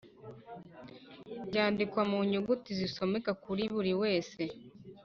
byandikwa mu nyuguti zisomeka kuri buri wese